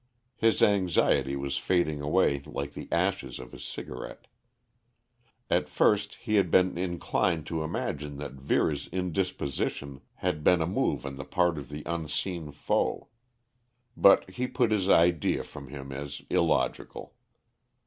His anxiety was fading away like the ashes of his cigarette. At first he had been inclined to imagine that Vera's indisposition had been a move on the part of the unseen foe. But he put this idea from him as illogical.